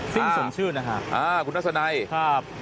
สิ่งส่งชื่นอ่ะคุณลัจะไหนครับ